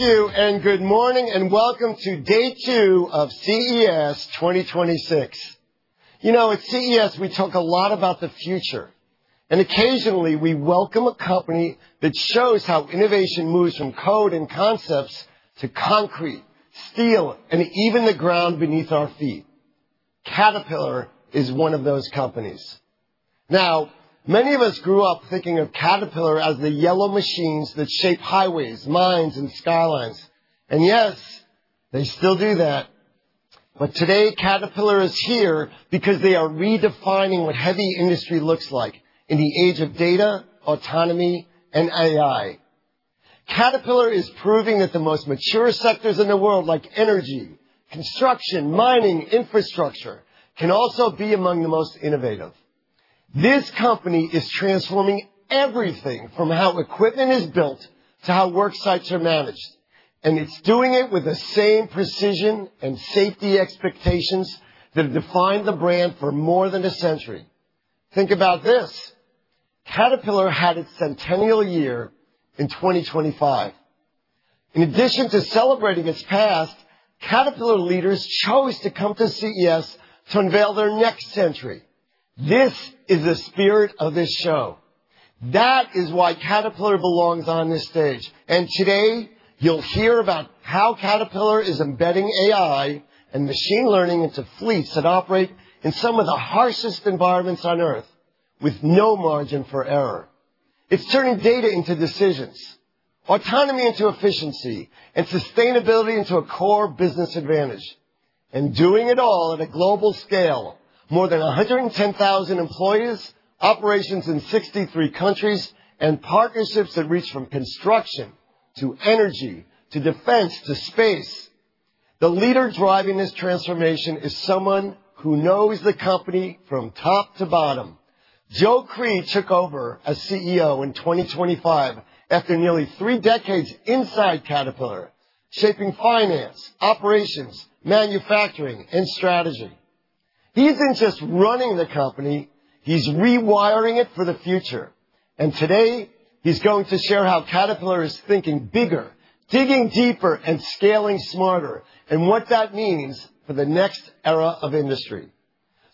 Thank you, and good morning, and welcome to Day 2 of CES 2026. You know, at CES, we talk a lot about the future, and occasionally we welcome a company that shows how innovation moves from code and concepts to concrete, steel, and even the ground beneath our feet. Caterpillar is one of those companies. Now, many of us grew up thinking of Caterpillar as the yellow machines that shape highways, mines, and skylines. And yes, they still do that. But today, Caterpillar is here because they are redefining what heavy industry looks like in the age of data, autonomy, and AI. Caterpillar is proving that the most mature sectors in the world, like energy, construction, mining, and infrastructure, can also be among the most innovative. This company is transforming everything from how equipment is built to how worksites are managed, and it's doing it with the same precision and safety expectations that have defined the brand for more than a century. Think about this: Caterpillar had its centennial year in 2025. In addition to celebrating its past, Caterpillar leaders chose to come to CES to unveil their next century. This is the spirit of this show. That is why Caterpillar belongs on this stage. And today, you'll hear about how Caterpillar is embedding AI and machine learning into fleets that operate in some of the harshest environments on Earth with no margin for error. It's turning data into decisions, autonomy into efficiency, and sustainability into a core business advantage, and doing it all at a global scale. More than 110,000 employees, operations in 63 countries, and partnerships that reach from construction to energy to defense to space. The leader driving this transformation is someone who knows the company from top to bottom. Joe Creed took over as CEO in 2025 after nearly three decades inside Caterpillar, shaping finance, operations, manufacturing, and strategy. He's not just running the company. He's rewiring it for the future, and today, he's going to share how Caterpillar is thinking bigger, digging deeper, and scaling smarter, and what that means for the next era of industry,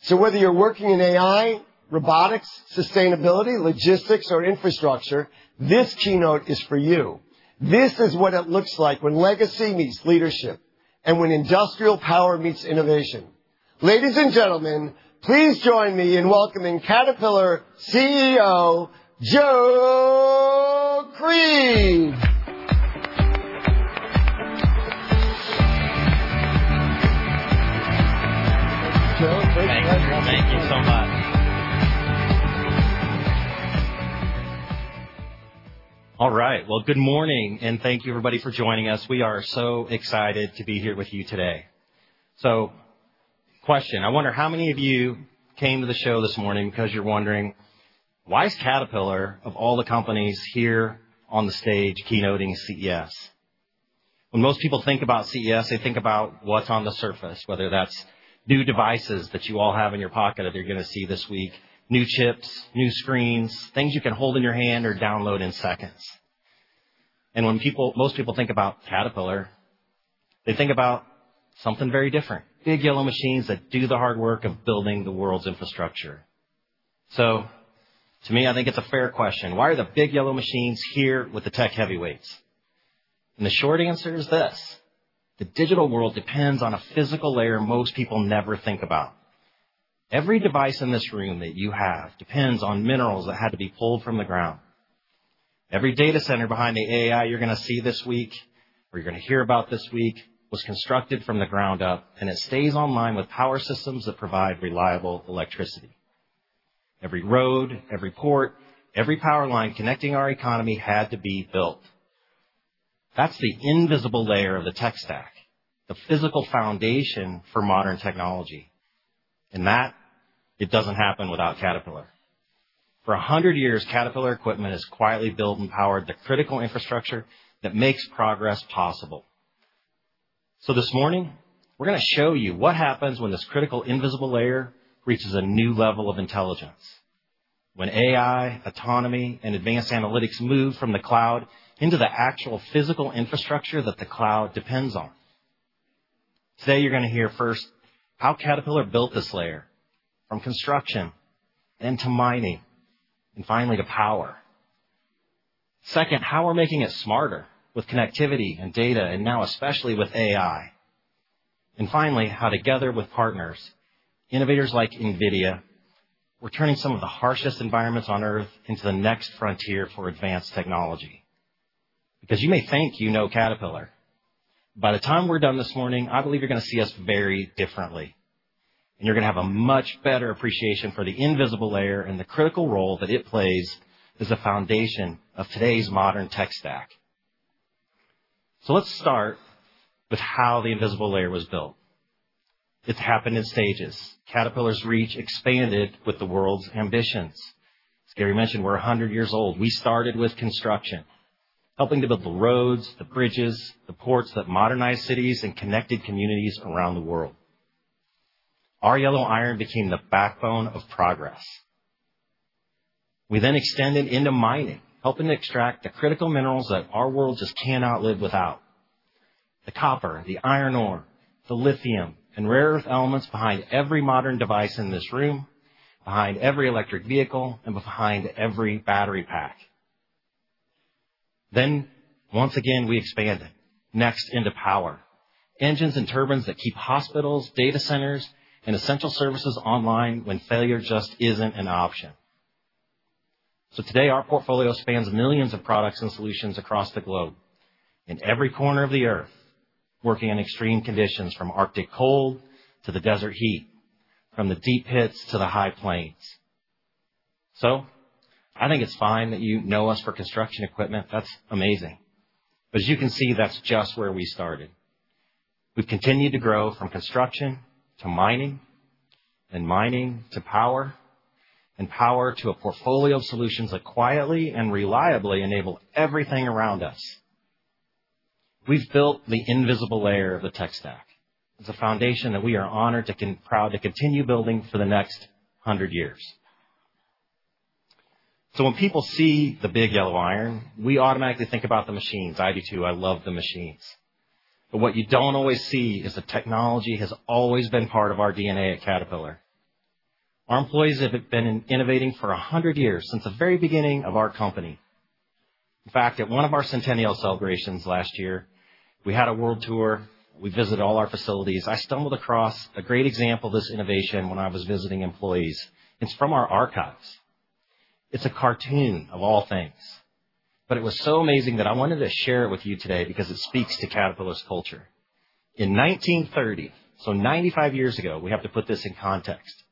so whether you're working in AI, robotics, sustainability, logistics, or infrastructure, this keynote is for you. This is what it looks like when legacy meets leadership and when industrial power meets innovation. Ladies and gentlemen, please join me in welcoming Caterpillar CEO, Joe Creed. Joe, please join me. Thank you so much. All right. Well, good morning, and thank you, everybody, for joining us. We are so excited to be here with you today. So question: I wonder how many of you came to the show this morning because you're wondering, why is Caterpillar, of all the companies here on the stage keynoting CES? When most people think about CES, they think about what's on the surface, whether that's new devices that you all have in your pocket that you're going to see this week, new chips, new screens, things you can hold in your hand or download in seconds. And when most people think about Caterpillar, they think about something very different: big yellow machines that do the hard work of building the world's infrastructure. So to me, I think it's a fair question: why are the big yellow machines here with the tech heavyweights? The short answer is this: the digital world depends on a physical layer most people never think about. Every device in this room that you have depends on minerals that had to be pulled from the ground. Every data center behind the AI you're going to see this week or you're going to hear about this week was constructed from the ground up, and it stays online with power systems that provide reliable electricity. Every road, every port, every power line connecting our economy had to be built. That's the invisible layer of the tech stack, the physical foundation for modern technology. That, it doesn't happen without Caterpillar. For 100 years, Caterpillar equipment has quietly built and powered the critical infrastructure that makes progress possible. So this morning, we're going to show you what happens when this critical invisible layer reaches a new level of intelligence, when AI, autonomy, and advanced analytics move from the cloud into the actual physical infrastructure that the cloud depends on. Today, you're going to hear first how Caterpillar built this layer, from construction then to mining, and finally to power. Second, how we're making it smarter with connectivity and data, and now especially with AI. And finally, how together with partners, innovators like NVIDIA, we're turning some of the harshest environments on Earth into the next frontier for advanced technology. Because you may think you know Caterpillar, by the time we're done this morning, I believe you're going to see us very differently, and you're going to have a much better appreciation for the invisible layer and the critical role that it plays as the foundation of today's modern tech stack. So let's start with how the invisible layer was built. It's happened in stages. Caterpillar's reach expanded with the world's ambitions. As Gary mentioned, we're 100 years old. We started with construction, helping to build the roads, the bridges, the ports that modernized cities and connected communities around the world. Our yellow iron became the backbone of progress. We then extended into mining, helping to extract the critical minerals that our world just cannot live without: the copper, the iron ore, the lithium, and rare earth elements behind every modern device in this room, behind every electric vehicle, and behind every battery pack. Then, once again, we expanded, next into power: engines and turbines that keep hospitals, data centers, and essential services online when failure just isn't an option. So today, our portfolio spans millions of products and solutions across the globe, in every corner of the Earth, working in extreme conditions from Arctic cold to the desert heat, from the deep pits to the high plains. So I think it's fine that you know us for construction equipment. That's amazing. But as you can see, that's just where we started. We've continued to grow from construction to mining, then mining to power, and power to a portfolio of solutions that quietly and reliably enable everything around us. We've built the invisible layer of the tech stack. It's a foundation that we are honored and proud to continue building for the next 100 years. So when people see the big yellow iron, we automatically think about the machines, I love the machines. But what you don't always see is that technology has always been part of our DNA at Caterpillar. Our employees have been innovating for 100 years, since the very beginning of our company. In fact, at one of our centennial celebrations last year, we had a world tour. We visited all our facilities. I stumbled across a great example of this innovation when I was visiting employees. It's from our archives. It's a cartoon of all things. But it was so amazing that I wanted to share it with you today because it speaks to Caterpillar's culture. In 1930, so 95 years ago, we have to put this in context,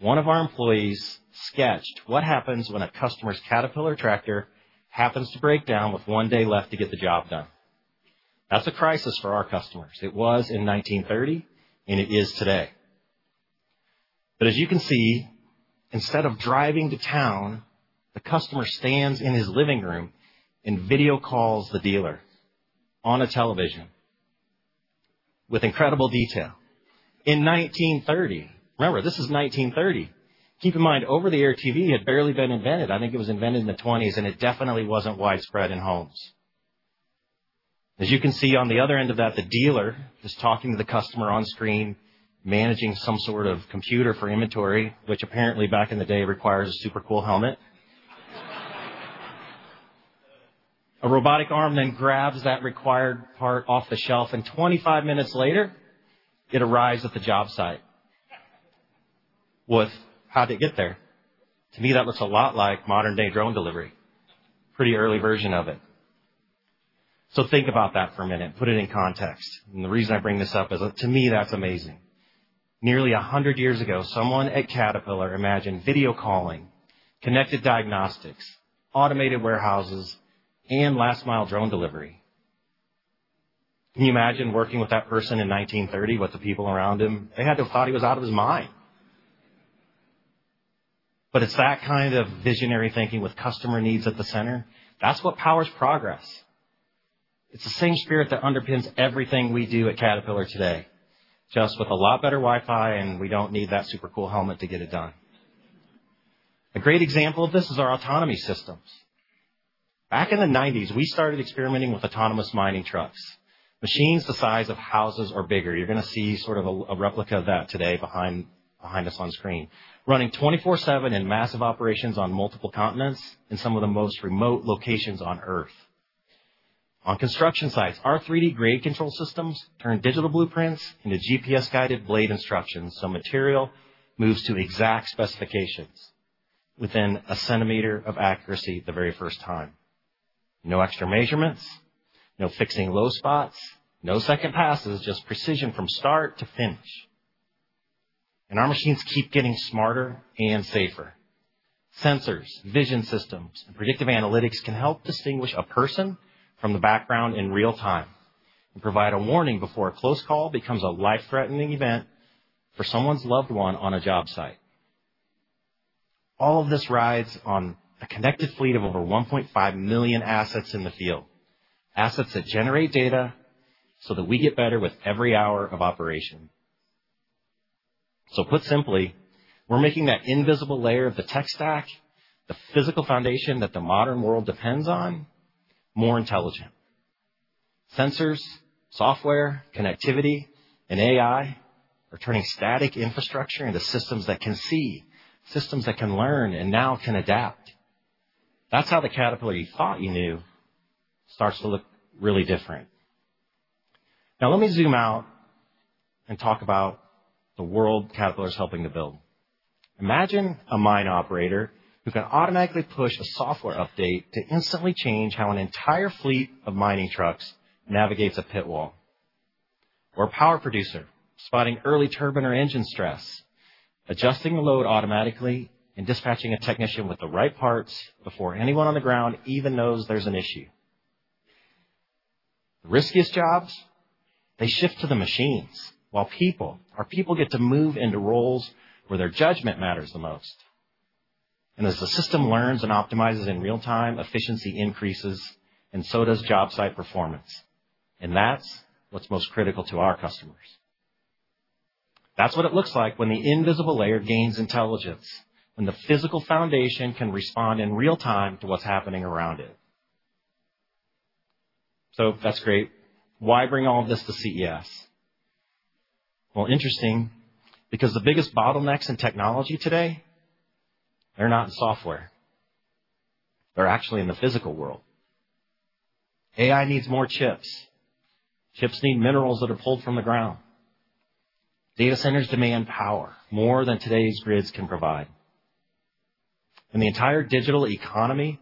one of our employees sketched what happens when a customer's Caterpillar tractor happens to break down with one day left to get the job done. That's a crisis for our customers. It was in 1930, and it is today. But as you can see, instead of driving to town, the customer stands in his living room and video calls the dealer on a television with incredible detail. In 1930, remember, this is 1930. Keep in mind, over-the-air TV had barely been invented. I think it was invented in the '20s, and it definitely wasn't widespread in homes. As you can see on the other end of that, the dealer is talking to the customer on screen, managing some sort of computer for inventory, which apparently back in the day requires a super cool helmet. A robotic arm then grabs that required part off the shelf, and 25 minutes later, it arrives at the job site. How did it get there? To me, that looks a lot like modern-day drone delivery, a pretty early version of it. So think about that for a minute, put it in context. And the reason I bring this up is, to me, that's amazing. Nearly 100 years ago, someone at Caterpillar imagined video calling, connected diagnostics, automated warehouses, and last-mile drone delivery. Can you imagine working with that person in 1930 with the people around him? They had to have thought he was out of his mind. But it's that kind of visionary thinking with customer needs at the center. That's what powers progress. It's the same spirit that underpins everything we do at Caterpillar today, just with a lot better Wi-Fi and we don't need that super cool helmet to get it done. A great example of this is our autonomy systems. Back in the 1990s, we started experimenting with autonomous mining trucks, machines the size of houses or bigger. You're going to see sort of a replica of that today behind us on screen, running 24/7 in massive operations on multiple continents in some of the most remote locations on Earth. On construction sites, our 3D grade control systems turn digital blueprints into GPS-guided blade instructions so material moves to exact specifications within a centimeter of accuracy the very first time. No extra measurements, no fixing low spots, no second passes, just precision from start to finish. And our machines keep getting smarter and safer. Sensors, vision systems, and predictive analytics can help distinguish a person from the background in real time and provide a warning before a close call becomes a life-threatening event for someone's loved one on a job site. All of this rides on a connected fleet of over 1.5 million assets in the field, assets that generate data so that we get better with every hour of operation. So put simply, we're making that invisible layer of the tech stack, the physical foundation that the modern world depends on, more intelligent. Sensors, software, connectivity, and AI are turning static infrastructure into systems that can see, systems that can learn, and now can adapt. That's how the Caterpillar you thought you knew starts to look really different. Now, let me zoom out and talk about the world Caterpillar is helping to build. Imagine a mine operator who can automatically push a software update to instantly change how an entire fleet of mining trucks navigates a pit wall, or a power producer spotting early turbine or engine stress, adjusting the load automatically and dispatching a technician with the right parts before anyone on the ground even knows there's an issue. The riskiest jobs, they shift to the machines, while people, our people, get to move into roles where their judgment matters the most. And as the system learns and optimizes in real time, efficiency increases, and so does job site performance. And that's what's most critical to our customers. That's what it looks like when the invisible layer gains intelligence, when the physical foundation can respond in real time to what's happening around it. So that's great. Why bring all of this to CES? Well, interesting, because the biggest bottlenecks in technology today, they're not in software. They're actually in the physical world. AI needs more chips. Chips need minerals that are pulled from the ground. Data centers demand power more than today's grids can provide. And the entire digital economy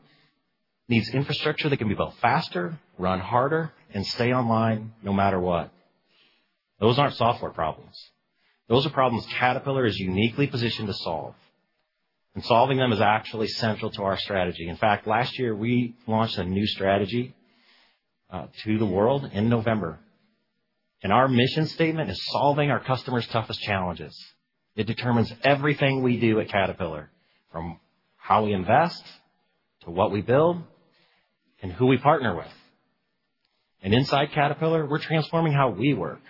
needs infrastructure that can be built faster, run harder, and stay online no matter what. Those aren't software problems. Those are problems Caterpillar is uniquely positioned to solve. And solving them is actually central to our strategy. In fact, last year, we launched a new strategy to the world in November. And our mission statement is solving our customers' toughest challenges. It determines everything we do at Caterpillar, from how we invest to what we build and who we partner with. And inside Caterpillar, we're transforming how we work.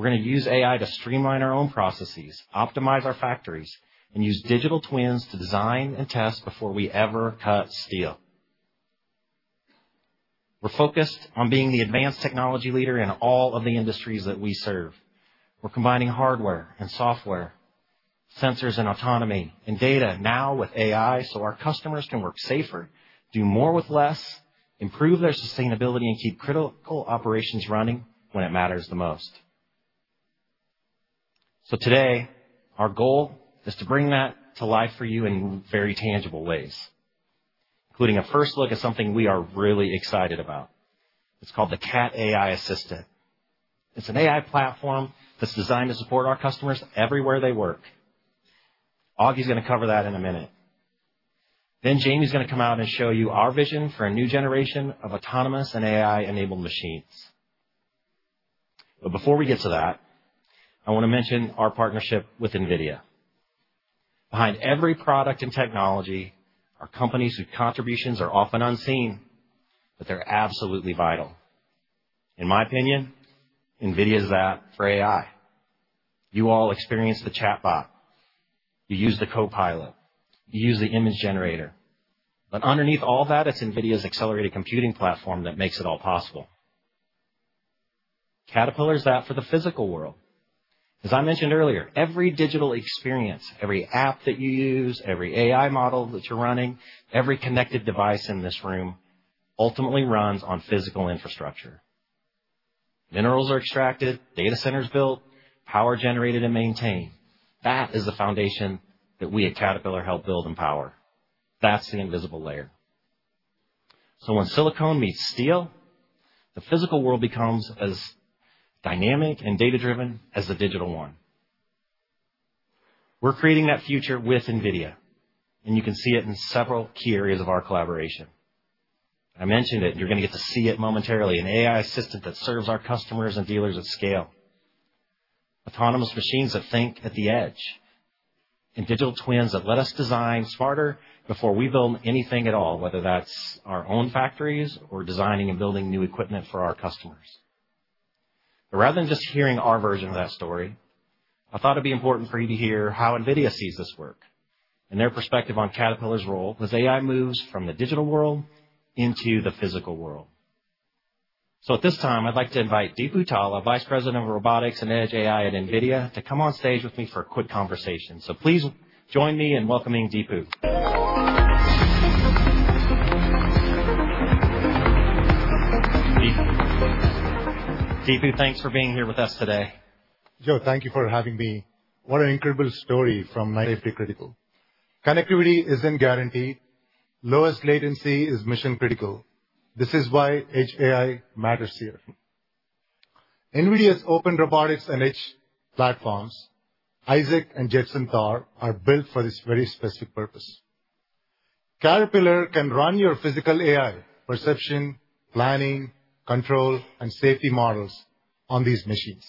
We're going to use AI to streamline our own processes, optimize our factories, and use digital twins to design and test before we ever cut steel. We're focused on being the advanced technology leader in all of the industries that we serve. We're combining hardware and software, sensors and autonomy, and data now with AI so our customers can work safer, do more with less, improve their sustainability, and keep critical operations running when it matters the most. So today, our goal is to bring that to life for you in very tangible ways, including a first look at something we are really excited about. It's called the Cat AI Assistant. It's an AI platform that's designed to support our customers everywhere they work. Ogi's going to cover that in a minute. Then Jamie's going to come out and show you our vision for a new generation of autonomous and AI-enabled machines. But before we get to that, I want to mention our partnership with NVIDIA. Behind every product and technology, our company's contributions are often unseen, but they're absolutely vital. In my opinion, NVIDIA is that for AI. You all experience the chatbot. You use the Copilot. You use the image generator. But underneath all that, it's NVIDIA's accelerated computing platform that makes it all possible. Caterpillar is that for the physical world. As I mentioned earlier, every digital experience, every app that you use, every AI model that you're running, every connected device in this room ultimately runs on physical infrastructure. Minerals are extracted, data centers built, power generated and maintained. That is the foundation that we at Caterpillar help build and power. That's the invisible layer. So when silicon meets steel, the physical world becomes as dynamic and data-driven as the digital one. We're creating that future with NVIDIA, and you can see it in several key areas of our collaboration. I mentioned it. You're going to get to see it momentarily, an AI assistant that serves our customers and dealers at scale, autonomous machines that think at the edge, and digital twins that let us design smarter before we build anything at all, whether that's our own factories or designing and building new equipment for our customers. But rather than just hearing our version of that story, I thought it'd be important for you to hear how NVIDIA sees this work and their perspective on Caterpillar's role as AI moves from the digital world into the physical world. So at this time, I'd like to invite Deepu Talla, a Vice President of Robotics and Edge AI at NVIDIA, to come on stage with me for a quick conversation. So please join me in welcoming Deepu. Deepu, thanks for being here with us today. Joe, thank you for having me. What an incredible story from Safety Critical. Connectivity isn't guaranteed. Lowest latency is mission-critical. This is why Edge AI matters here. NVIDIA's Open Robotics and Edge platforms, Isaac and Jetson Thor, are built for this very specific purpose. Caterpillar can run your physical AI perception, planning, control, and safety models on these machines.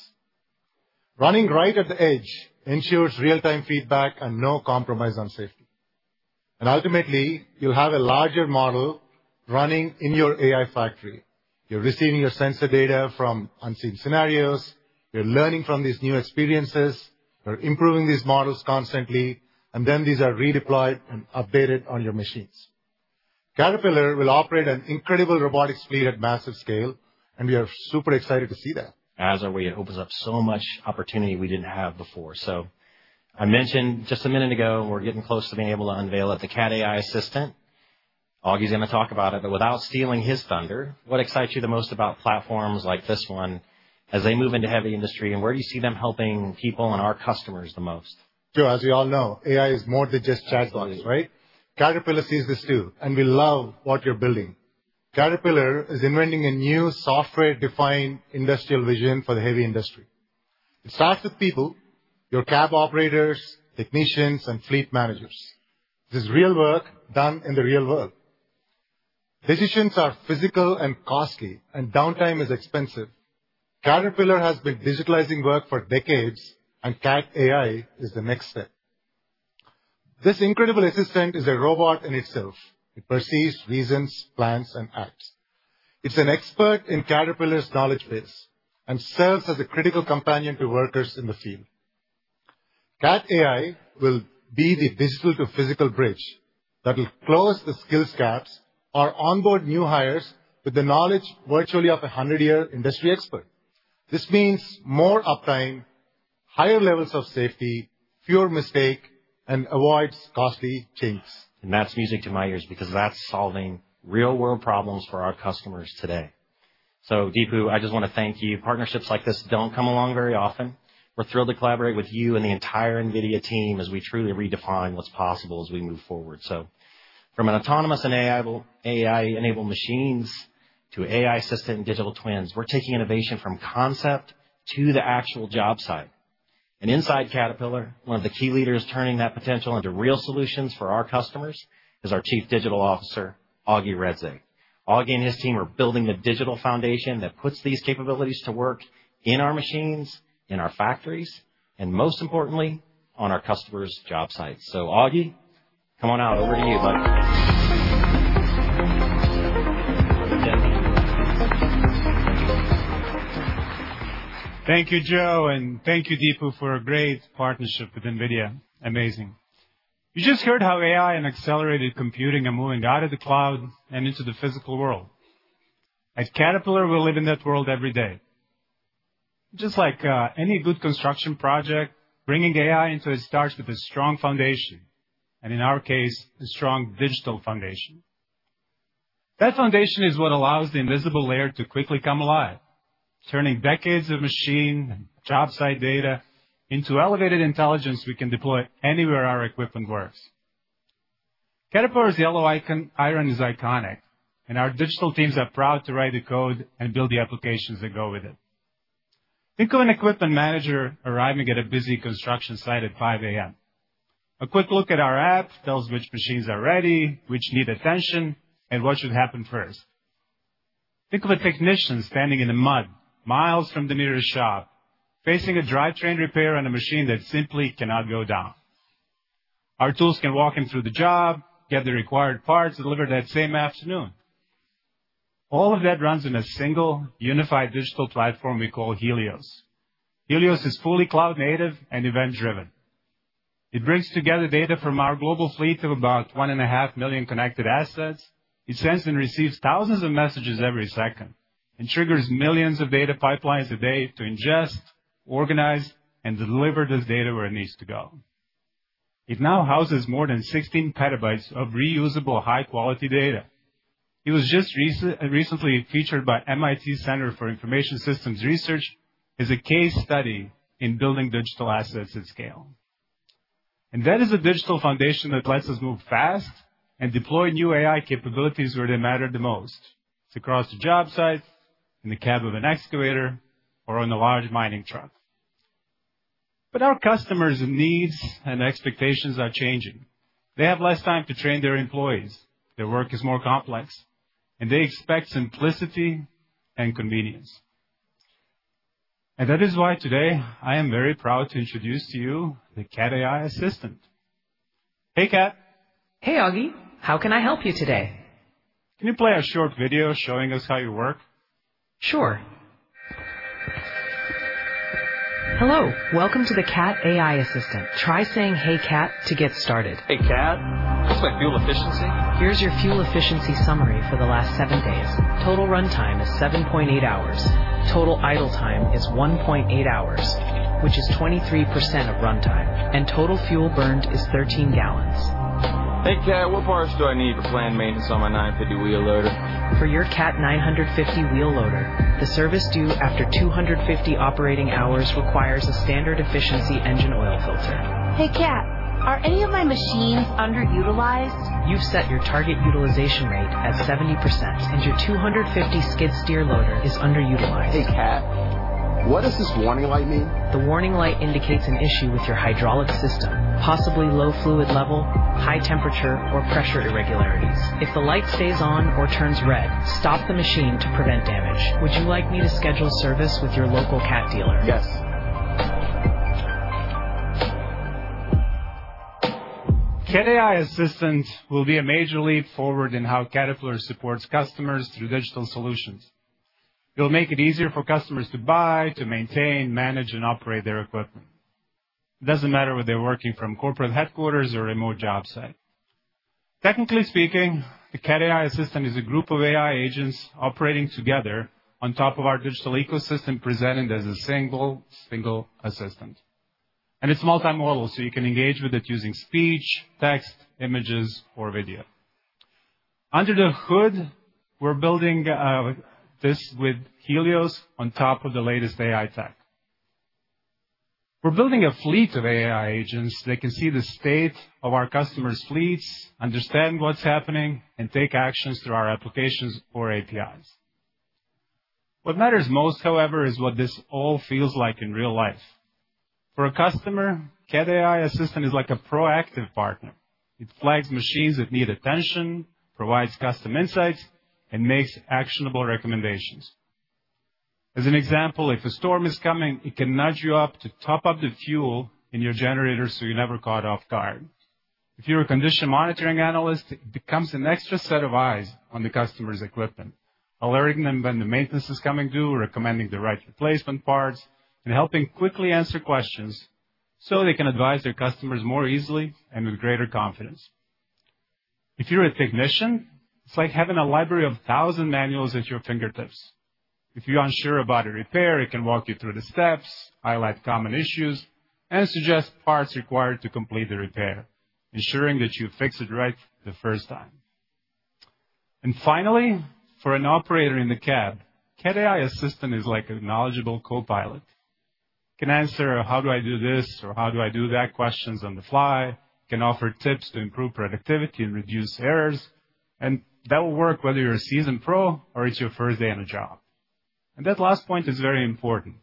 Running right at the edge ensures real-time feedback and no compromise on safety, and ultimately, you'll have a larger model running in your AI factory. You're receiving your sensor data from unseen scenarios. You're learning from these new experiences. You're improving these models constantly, and then these are redeployed and updated on your machines. Caterpillar will operate an incredible robotics fleet at massive scale, and we are super excited to see that. As are we. It opens up so much opportunity we didn't have before. So I mentioned just a minute ago, we're getting close to being able to unveil the Cat AI Assistant. Ogi's going to talk about it. But without stealing his thunder, what excites you the most about platforms like this one as they move into heavy industry, and where do you see them helping people and our customers the most? Joe, as we all know, AI is more than just chatbots, right? Caterpillar sees this too, and we love what you're building. Caterpillar is inventing a new software-defined industrial vision for the heavy industry. It starts with people, your cab operators, technicians, and fleet managers. This is real work done in the real world. Decisions are physical and costly, and downtime is expensive. Caterpillar has been digitalizing work for decades, and Cat AI is the next step. This incredible assistant is a robot in itself. It perceives, reasons, plans, and acts. It's an expert in Caterpillar's knowledge base and serves as a critical companion to workers in the field. Cat AI will be the digital-to-physical bridge that will close the skills gaps or onboard new hires with the knowledge virtually of a 100-year industry expert. This means more uptime, higher levels of safety, fewer mistakes, and avoids costly changes. That's music to my ears because that's solving real-world problems for our customers today. Deepu, I just want to thank you. Partnerships like this don't come along very often. We're thrilled to collaborate with you and the entire NVIDIA team as we truly redefine what's possible as we move forward. From autonomous and AI-enabled machines to AI assistant and digital twins, we're taking innovation from concept to the actual job site. Inside Caterpillar, one of the key leaders turning that potential into real solutions for our customers is our Chief Digital Officer, Ogi Redzic. Ogi and his team are building the digital foundation that puts these capabilities to work in our machines, in our factories, and most importantly, on our customers' job sites. Ogi, come on out. Over to you, bud. Thank you, Joe, and thank you, Deepu, for a great partnership with NVIDIA. Amazing. You just heard how AI and accelerated computing are moving out of the cloud and into the physical world. At Caterpillar, we live in that world every day. Just like any good construction project, bringing AI into it starts with a strong foundation, and in our case, a strong digital foundation. That foundation is what allows the Invisible Layer to quickly come alive, turning decades of machine and job site data into elevated intelligence we can deploy anywhere our equipment works. Caterpillar's Yellow Iron is iconic, and our digital teams are proud to write the code and build the applications that go with it. Think of an equipment manager arriving at a busy construction site at 5:00 A.M. A quick look at our app tells which machines are ready, which need attention, and what should happen first. Think of a technician standing in the mud, miles from the meter shop, facing a drivetrain repair on a machine that simply cannot go down. Our tools can walk him through the job, get the required parts, and deliver that same afternoon. All of that runs in a single unified digital platform we call Helios. Helios is fully cloud-native and event-driven. It brings together data from our global fleet of about 1.5 million connected assets. It sends and receives thousands of messages every second and triggers millions of data pipelines a day to ingest, organize, and deliver this data where it needs to go. It now houses more than 16 petabytes of reusable high-quality data. It was just recently featured by MIT Center for Information Systems Research as a case study in building digital assets at scale. And that is a digital foundation that lets us move fast and deploy new AI capabilities where they matter the most. It's across the job site, in the cab of an excavator, or on a large mining truck. But our customers' needs and expectations are changing. They have less time to train their employees. Their work is more complex, and they expect simplicity and convenience. And that is why today I am very proud to introduce to you the Cat AI Assistant. Hey, Cat. Hey, Ogi. How can I help you today? Can you play a short video showing us how you work? Sure. Hello. Welcome to the Cat AI Assistant. Try saying, "Hey, Cat," to get started. Hey, Cat. Looks like fuel efficiency. Here's your fuel efficiency summary for the last seven days. Total runtime is 7.8 hours. Total idle time is 1.8 hours, which is 23% of runtime. And total fuel burned is 13 gallons. Hey, Cat. What parts do I need for planned maintenance on my 950 wheel loader? For your Cat 950 wheel loader, the service due after 250 operating hours requires a standard efficiency engine oil filter. Hey, Cat. Are any of my machines underutilized? You've set your target utilization rate at 70%, and your 250 skid steer loader is underutilized. Hey, Cat. What does this warning light mean? The warning light indicates an issue with your hydraulic system, possibly low fluid level, high temperature, or pressure irregularities. If the light stays on or turns red, stop the machine to prevent damage. Would you like me to schedule service with your local Cat dealer? Yes. Cat AI Assistant will be a major leap forward in how Caterpillar supports customers through digital solutions. It'll make it easier for customers to buy, to maintain, manage, and operate their equipment. It doesn't matter whether they're working from corporate headquarters or remote job site. Technically speaking, the Cat AI Assistant is a group of AI agents operating together on top of our digital ecosystem, presented as a single, single assistant, and it's multi-modal, so you can engage with it using speech, text, images, or video. Under the hood, we're building this with Helios on top of the latest AI tech. We're building a fleet of AI agents that can see the state of our customers' fleets, understand what's happening, and take actions through our applications or APIs. What matters most, however, is what this all feels like in real life. For a customer, Cat AI Assistant is like a proactive partner. It flags machines that need attention, provides custom insights, and makes actionable recommendations. As an example, if a storm is coming, it can nudge you to top up the fuel in your generator so you never get caught off guard. If you're a condition monitoring analyst, it becomes an extra set of eyes on the customer's equipment, alerting them when the maintenance is coming due, recommending the right replacement parts, and helping quickly answer questions so they can advise their customers more easily and with greater confidence. If you're a technician, it's like having a library of a thousand manuals at your fingertips. If you're unsure about a repair, it can walk you through the steps, highlight common issues, and suggest parts required to complete the repair, ensuring that you fix it right the first time. Finally, for an operator in the cab, Cat AI Assistant is like a knowledgeable copilot. It can answer how do I do this or how do I do that questions on the fly. It can offer tips to improve productivity and reduce errors. That will work whether you're a seasoned pro or it's your first day on a job. That last point is very important.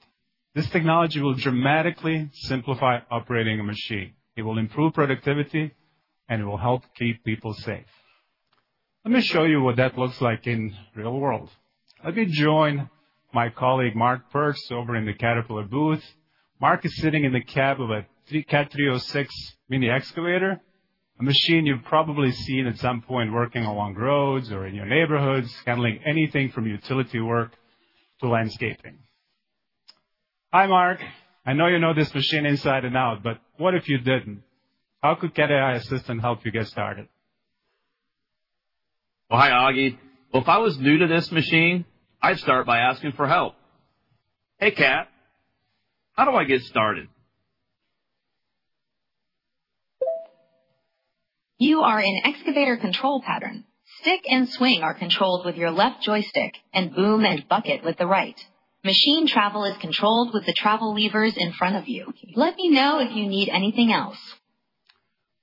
This technology will dramatically simplify operating a machine. It will improve productivity, and it will help keep people safe. Let me show you what that looks like in the real world. Let me join my colleague Mark Perkes over in the Caterpillar booth. Mark is sitting in the cab of a Cat 306 mini excavator, a machine you've probably seen at some point working along roads or in your neighborhoods, handling anything from utility work to landscaping. Hi, Mark. I know you know this machine inside and out, but what if you didn't? How could Cat AI Assistant help you get started? Hi, Ogi. If I was new to this machine, I'd start by asking for help. Hey, Cat. How do I get started? You are in excavator control pattern. Stick and swing are controlled with your left joystick, and boom and bucket with the right. Machine travel is controlled with the travel levers in front of you. Let me know if you need anything else.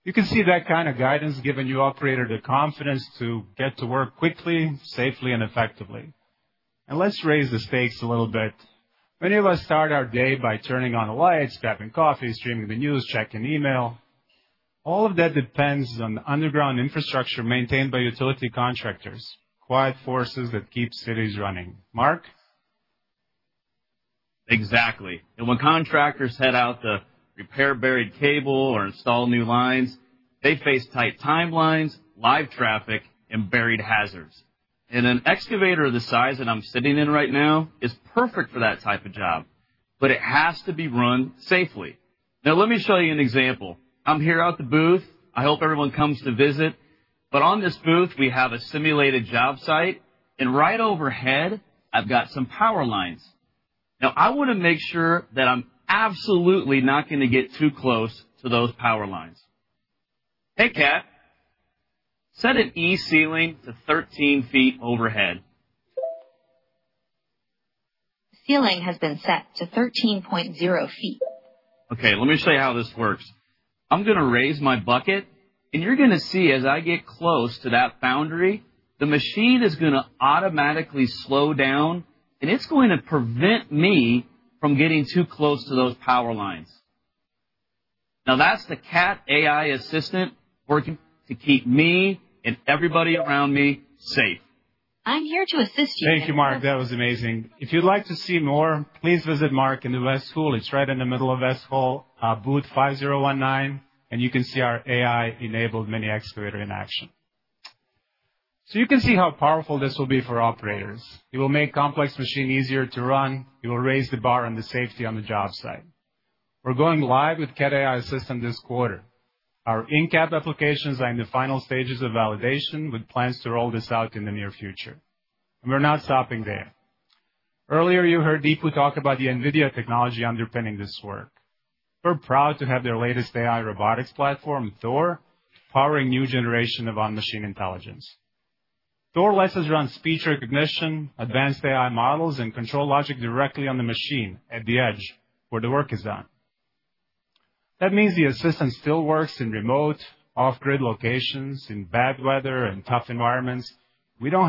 You can see that kind of guidance giving the operator the confidence to get to work quickly, safely, and effectively. And let's raise the stakes a little bit. Many of us start our day by turning on the lights, grabbing coffee, streaming the news, checking email. All of that depends on the underground infrastructure maintained by utility contractors, quiet forces that keep cities running, Mark? Exactly. And when contractors head out to repair buried cable or install new lines, they face tight timelines, live traffic, and buried hazards. And an excavator of the size that I'm sitting in right now is perfect for that type of job, but it has to be run safely. Now, let me show you an example. I'm here at the booth. I hope everyone comes to visit. But on this booth, we have a simulated job site, and right overhead, I've got some power lines. Now, I want to make sure that I'm absolutely not going to get too close to those power lines. Hey, Cat. Set an E-Ceiling to 13 feet overhead. Ceiling has been set to 13.0 feet. Okay. Let me show you how this works. I'm going to raise my bucket, and you're going to see as I get close to that boundary, the machine is going to automatically slow down, and it's going to prevent me from getting too close to those power lines. Now, that's the Cat AI Assistant working to keep me and everybody around me safe. I'm here to assist you. Thank you, Mark. That was amazing. If you'd like to see more, please visit Mark in the West Hall. It's right in the middle of West Hall, booth 5019, and you can see our AI-enabled mini excavator in action, so you can see how powerful this will be for operators. It will make complex machines easier to run. It will raise the bar on the safety on the job site. We're going live with Cat AI Assistant this quarter. Our in-cab applications are in the final stages of validation with plans to roll this out in the near future, and we're not stopping there. Earlier, you heard Deepu talk about the NVIDIA technology underpinning this work. We're proud to have their latest AI robotics platform, Thor, powering a new generation of on-machine intelligence. Thor lets us run speech recognition, advanced AI models, and control logic directly on the machine at the edge where the work is done. That means the assistant still works in remote, off-grid locations, in bad weather, and tough environments. We don't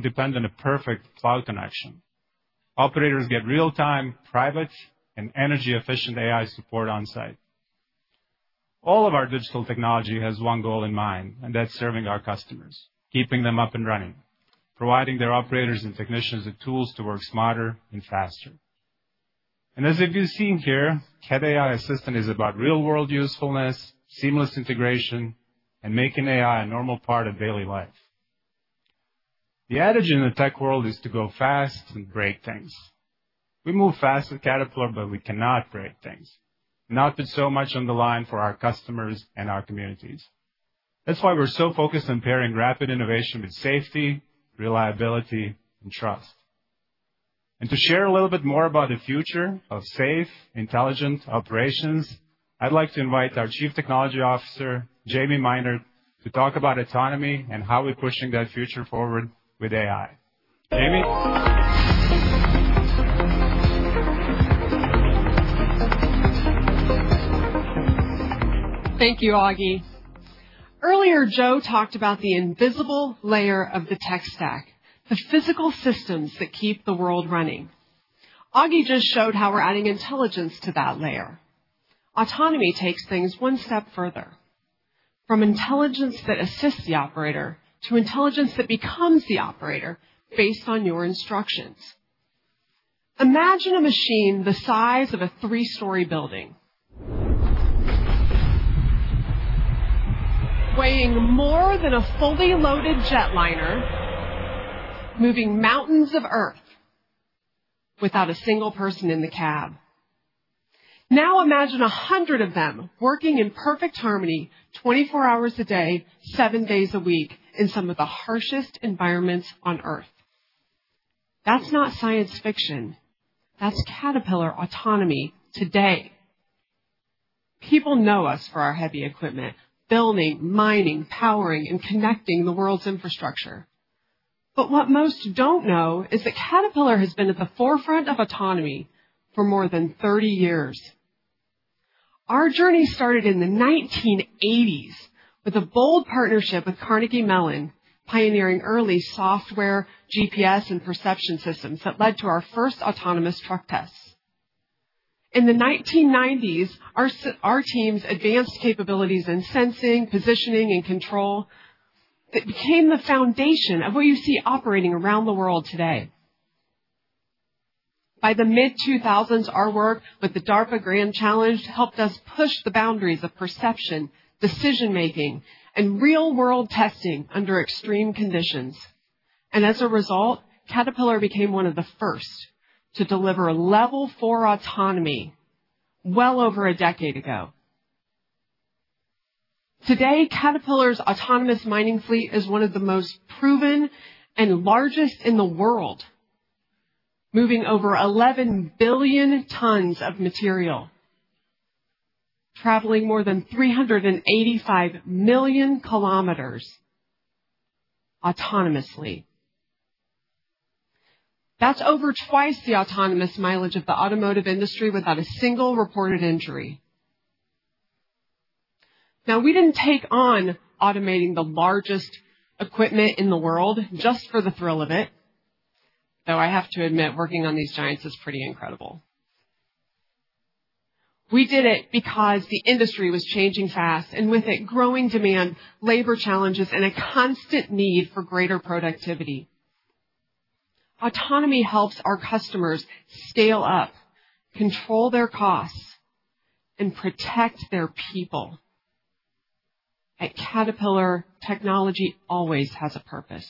depend on a perfect cloud connection. Operators get real-time, private, and energy-efficient AI support on-site. All of our digital technology has one goal in mind, and that's serving our customers, keeping them up and running, providing their operators and technicians with tools to work smarter and faster. As you've seen here, Cat AI Assistant is about real-world usefulness, seamless integration, and making AI a normal part of daily life. The adage in the tech world is to go fast and break things. We move fast with Caterpillar, but we cannot break things, not put so much on the line for our customers and our communities. That's why we're so focused on pairing rapid innovation with safety, reliability, and trust, and to share a little bit more about the future of safe, intelligent operations, I'd like to invite our Chief Technology Officer, Jamie Mineart, to talk about autonomy and how we're pushing that future forward with AI. Jamie? Thank you, Ogi. Earlier, Joe talked about the invisible layer of the tech stack, the physical systems that keep the world running. Ogi just showed how we're adding intelligence to that layer. Autonomy takes things one step further, from intelligence that assists the operator to intelligence that becomes the operator based on your instructions. Imagine a machine the size of a three-story building, weighing more than a fully loaded jetliner, moving mountains of earth without a single person in the cab. Now imagine 100 of them working in perfect harmony 24 hours a day, seven days a week, in some of the harshest environments on earth. That's not science fiction. That's Caterpillar autonomy today. People know us for our heavy equipment, building, mining, powering, and connecting the world's infrastructure. But what most don't know is that Caterpillar has been at the forefront of autonomy for more than 30 years. Our journey started in the 1980s with a bold partnership with Carnegie Mellon, pioneering early software, GPS, and perception systems that led to our first autonomous truck tests. In the 1990s, our team's advanced capabilities in sensing, positioning, and control became the foundation of what you see operating around the world today. By the mid-2000s, our work with the DARPA Grand Challenge helped us push the boundaries of perception, decision-making, and real-world testing under extreme conditions. And as a result, Caterpillar became one of the first to deliver a Level 4 autonomy well over a decade ago. Today, Caterpillar's autonomous mining fleet is one of the most proven and largest in the world, moving over 11 billion tons of material, traveling more than 385 million kilometers autonomously. That's over twice the autonomous mileage of the automotive industry without a single reported injury. Now, we didn't take on automating the largest equipment in the world just for the thrill of it, though I have to admit, working on these giants is pretty incredible. We did it because the industry was changing fast, and with it, growing demand, labor challenges, and a constant need for greater productivity. Autonomy helps our customers scale up, control their costs, and protect their people. At Caterpillar, technology always has a purpose.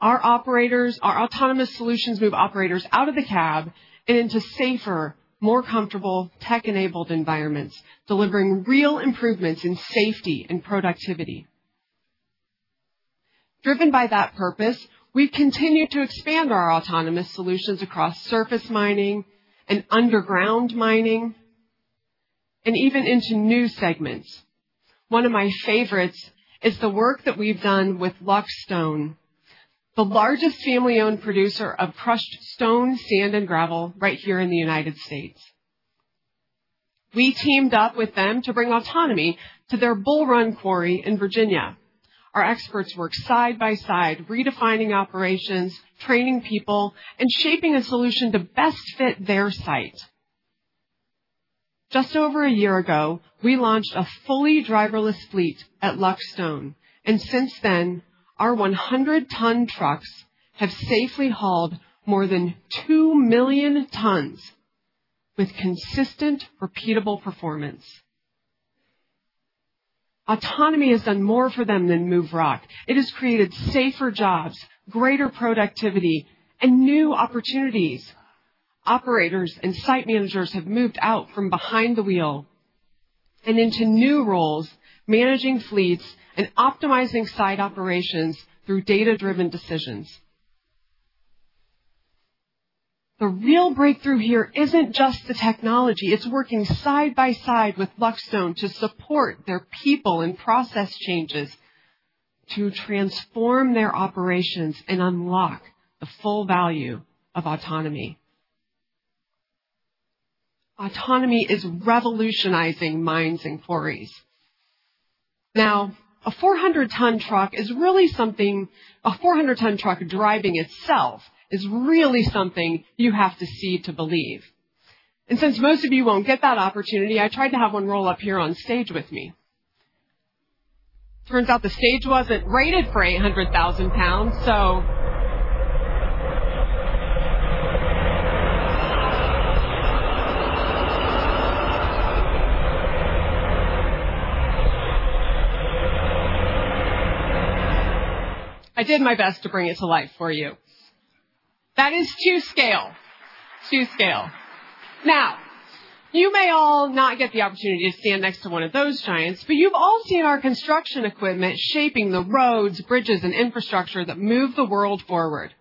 Our operators, our autonomous solutions move operators out of the cab and into safer, more comfortable, tech-enabled environments, delivering real improvements in safety and productivity. Driven by that purpose, we've continued to expand our autonomous solutions across surface mining and underground mining, and even into new segments. One of my favorites is the work that we've done with Luck Stone, the largest family-owned producer of crushed stone, sand, and gravel right here in the United States. We teamed up with them to bring autonomy to their Bull Run quarry in Virginia. Our experts work side by side, redefining operations, training people, and shaping a solution to best fit their site. Just over a year ago, we launched a fully driverless fleet at Luck Stone. And since then, our 100-ton trucks have safely hauled more than 2 million tons with consistent, repeatable performance. Autonomy has done more for them than moving rock. It has created safer jobs, greater productivity, and new opportunities. Operators and site managers have moved out from behind the wheel and into new roles, managing fleets and optimizing site operations through data-driven decisions. The real breakthrough here isn't just the technology. It's working side by side with Luck Stone to support their people and process changes to transform their operations and unlock the full value of autonomy. Autonomy is revolutionizing mines and quarries. Now, a 400-ton truck is really something. A 400-ton truck driving itself is really something you have to see to believe. And since most of you won't get that opportunity, I tried to have one roll up here on stage with me. Turns out the stage wasn't rated for 800,000 pounds, so. I did my best to bring it to life for you. That is to scale. To scale. Now, you may all not get the opportunity to stand next to one of those giants, but you've all seen our construction equipment shaping the roads, bridges, and infrastructure that move the world forward.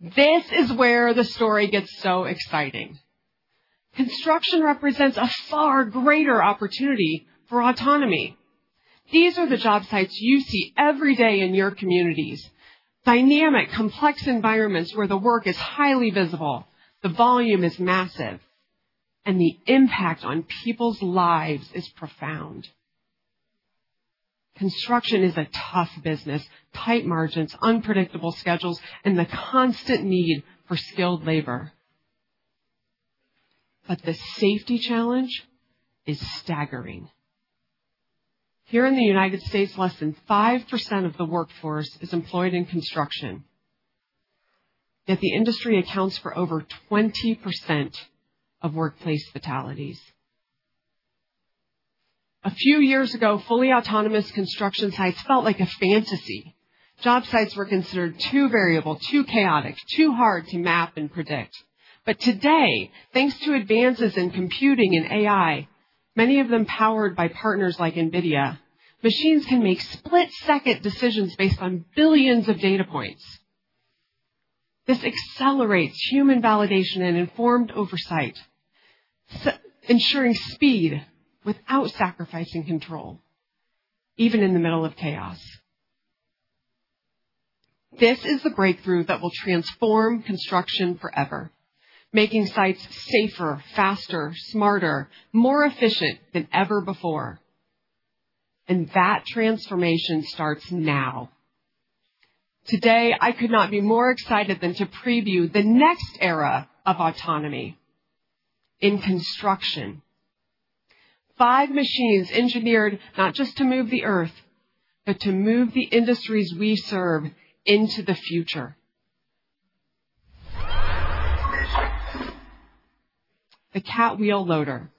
This is where the story gets so exciting. Construction represents a far greater opportunity for autonomy. These are the job sites you see every day in your communities: dynamic, complex environments where the work is highly visible, the volume is massive, and the impact on people's lives is profound. Construction is a tough business: tight margins, unpredictable schedules, and the constant need for skilled labor. But the safety challenge is staggering. Here in the United States, less than 5% of the workforce is employed in construction, yet the industry accounts for over 20% of workplace fatalities. A few years ago, fully autonomous construction sites felt like a fantasy. Job sites were considered too variable, too chaotic, too hard to map and predict. But today, thanks to advances in computing and AI, many of them powered by partners like NVIDIA, machines can make split-second decisions based on billions of data points. This accelerates human validation and informed oversight, ensuring speed without sacrificing control, even in the middle of chaos. This is the breakthrough that will transform construction forever, making sites safer, faster, smarter, more efficient than ever before. And that transformation starts now. Today, I could not be more excited than to preview the next era of autonomy in construction: five machines engineered not just to move the earth, but to move the industries we serve into the future. The Cat Wheel Loader,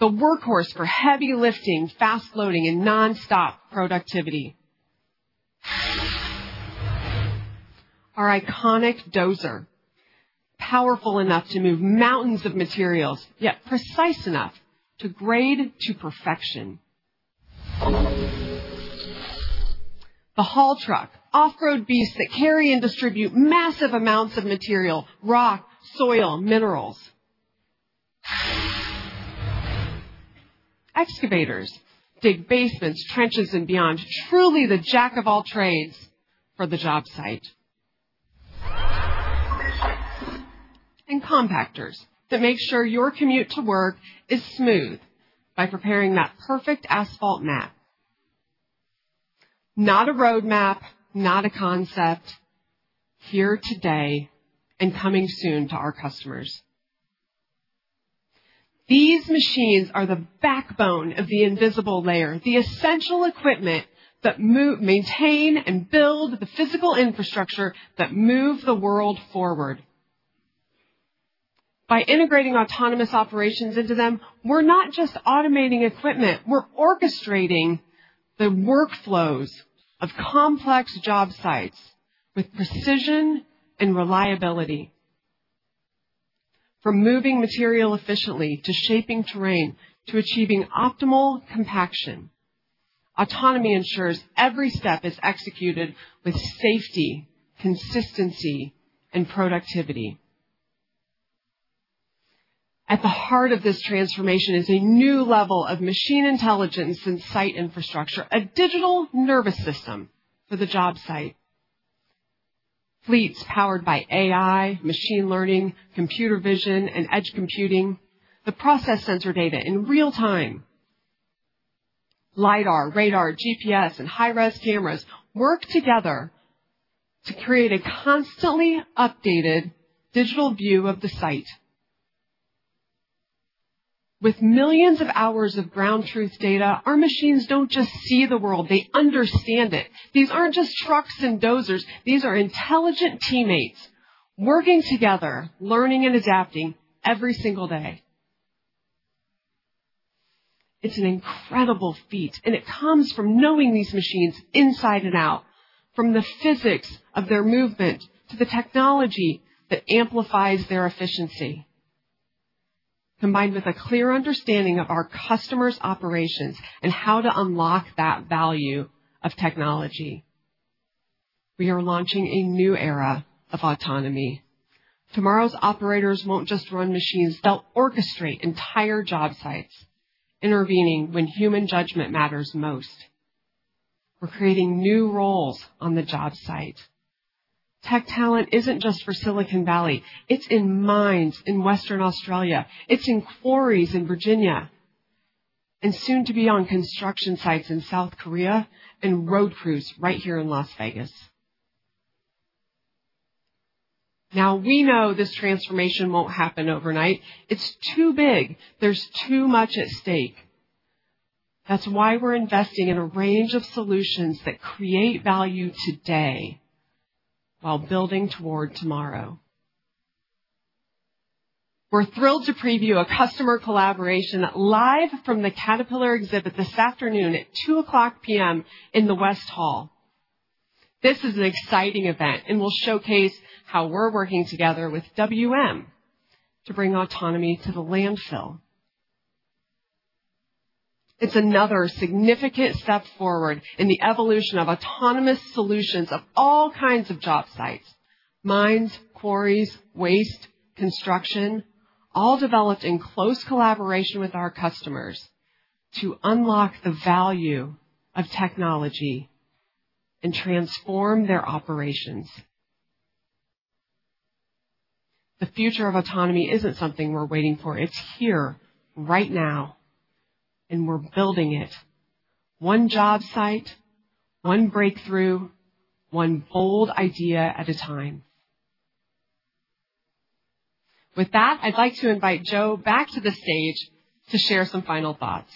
the workhorse for heavy lifting, fast loading, and nonstop productivity. Our iconic dozer, powerful enough to move mountains of materials, yet precise enough to grade to perfection. The haul truck, off-road beasts that carry and distribute massive amounts of material, rock, soil, minerals. Excavators dig basements, trenches, and beyond, truly the Jack of all trades for the job site. And compactors that make sure your commute to work is smooth by preparing that perfect asphalt map. Not a roadmap, not a concept. Here today and coming soon to our customers. These machines are the backbone of the invisible layer, the essential equipment that maintains and builds the physical infrastructure that moves the world forward. By integrating autonomous operations into them, we're not just automating equipment. We're orchestrating the workflows of complex job sites with precision and reliability. From moving material efficiently to shaping terrain to achieving optimal compaction, autonomy ensures every step is executed with safety, consistency, and productivity. At the heart of this transformation is a new level of machine intelligence and site infrastructure, a digital nervous system for the job site. Fleets powered by AI, machine learning, computer vision, and edge computing process sensor data in real time. LIDAR, radar, GPS, and high-res cameras work together to create a constantly updated digital view of the site. With millions of hours of ground truth data, our machines don't just see the world. They understand it. These aren't just trucks and dozers. These are intelligent teammates working together, learning and adapting every single day. It's an incredible feat, and it comes from knowing these machines inside and out, from the physics of their movement to the technology that amplifies their efficiency, combined with a clear understanding of our customers' operations and how to unlock that value of technology. We are launching a new era of autonomy. Tomorrow's operators won't just run machines. They'll orchestrate entire job sites, intervening when human judgment matters most. We're creating new roles on the job site. Tech talent isn't just for Silicon Valley. It's in mines in Western Australia. It's in quarries in Virginia, and soon to be on construction sites in South Korea and road crews right here in Las Vegas. Now, we know this transformation won't happen overnight. It's too big. There's too much at stake. That's why we're investing in a range of solutions that create value today while building toward tomorrow. We're thrilled to preview a customer collaboration live from the Caterpillar exhibit this afternoon at 2:00 P.M. in the West Hall. This is an exciting event, and we'll showcase how we're working together with WM to bring autonomy to the landfill. It's another significant step forward in the evolution of autonomous solutions of all kinds of job sites: mines, quarries, waste, construction, all developed in close collaboration with our customers to unlock the value of technology and transform their operations. The future of autonomy isn't something we're waiting for. It's here right now, and we're building it. One job site, one breakthrough, one bold idea at a time. With that, I'd like to invite Joe back to the stage to share some final thoughts.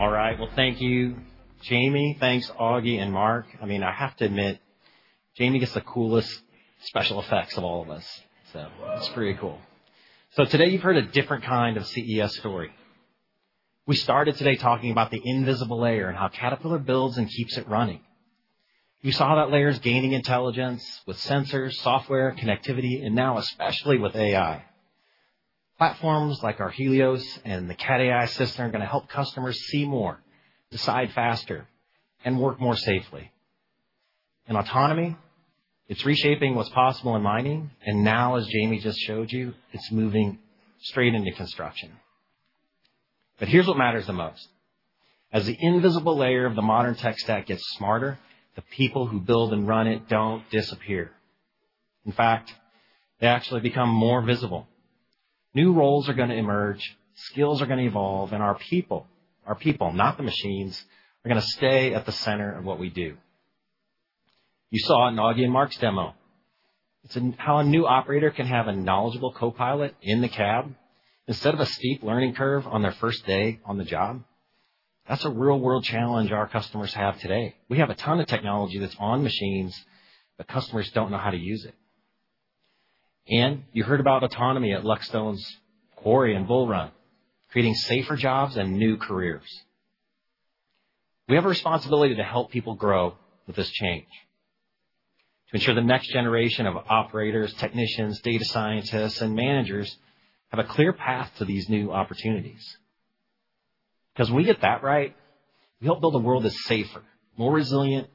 All right. Well, thank you, Jamie. Thanks, Ogi and Mark. I mean, I have to admit, Jamie gets the coolest special effects of all of us. So it's pretty cool. So today, you've heard a different kind of CES story. We started today talking about the invisible layer and how Caterpillar builds and keeps it running. We saw that layer is gaining intelligence with sensors, software, connectivity, and now especially with AI. Platforms like our Helios and the Cat AI system are going to help customers see more, decide faster, and work more safely. And autonomy, it's reshaping what's possible in mining. And now, as Jamie just showed you, it's moving straight into construction. But here's what matters the most. As the invisible layer of the modern tech stack gets smarter, the people who build and run it don't disappear. In fact, they actually become more visible. New roles are going to emerge, skills are going to evolve, and our people, our people, not the machines, are going to stay at the center of what we do. You saw in Augie and Mark's demo how a new operator can have a knowledgeable co-pilot in the cab instead of a steep learning curve on their first day on the job. That's a real-world challenge our customers have today. We have a ton of technology that's on machines, but customers don't know how to use it. And you heard about autonomy at Luck Stone's quarry and Bull Run, creating safer jobs and new careers. We have a responsibility to help people grow with this change, to ensure the next generation of operators, technicians, data scientists, and managers have a clear path to these new opportunities. Because when we get that right, we help build a world that's safer, more resilient,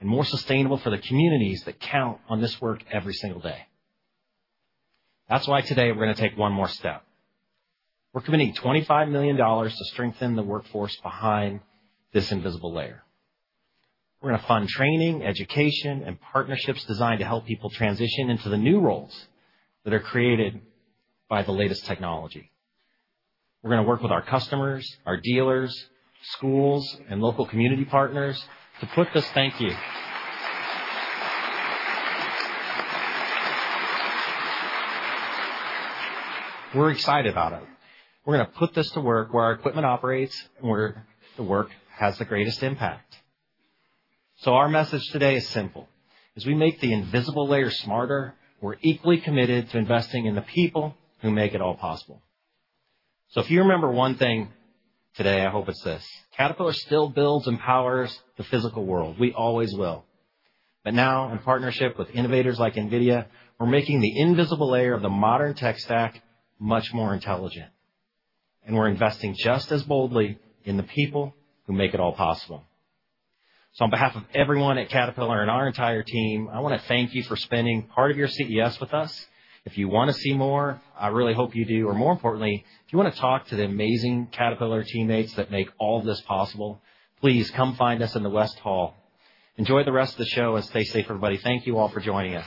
and more sustainable for the communities that count on this work every single day. That's why today we're going to take one more step. We're committing $25 million to strengthen the workforce behind this invisible layer. We're going to fund training, education, and partnerships designed to help people transition into the new roles that are created by the latest technology. We're going to work with our customers, our dealers, schools, and local community partners to put this. Thank you. We're excited about it. We're going to put this to work where our equipment operates and where the work has the greatest impact. So our message today is simple. As we make the invisible layer smarter, we're equally committed to investing in the people who make it all possible. So if you remember one thing today, I hope it's this: Caterpillar still builds and powers the physical world. We always will. But now, in partnership with innovators like NVIDIA, we're making the invisible layer of the modern tech stack much more intelligent. And we're investing just as boldly in the people who make it all possible. So on behalf of everyone at Caterpillar and our entire team, I want to thank you for spending part of your CES with us. If you want to see more, I really hope you do. Or more importantly, if you want to talk to the amazing Caterpillar teammates that make all of this possible, please come find us in the West Hall. Enjoy the rest of the show and stay safe, everybody. Thank you all for joining us.